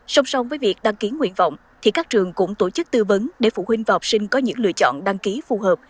song song với việc đăng ký nguyện vọng thì các trường cũng tổ chức tư vấn để phụ huynh và học sinh có những lựa chọn đăng ký phù hợp